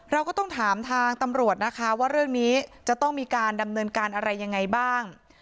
เราก็ต้องถามทางตำรวจนะคะว่าเรื่องนี้จะต้องมีการดำเนินการอะไรยังไงบ้าง